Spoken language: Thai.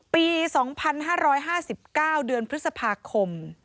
ปี๒๕๕๙เดือนพฤษภาคม